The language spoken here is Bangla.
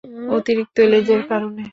অতিরিক্ত লেজের কারণে?